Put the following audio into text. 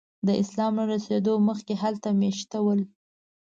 د اسلام له رسېدو مخکې هلته میشته ول.